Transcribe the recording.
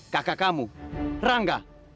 kakak kamu rangga